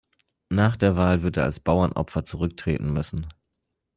Nach der Wahl wird er als Bauernopfer zurücktreten müssen.